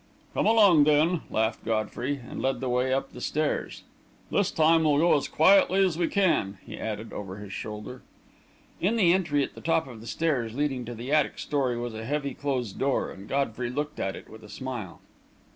"Come along, then," laughed Godfrey, and led the way up the stairs. "This time we'll go as quietly as we can!" he added, over his shoulder. In the entry at the top of the stairs leading to the attic story was a heavy closed door, and Godfrey looked at it with a smile.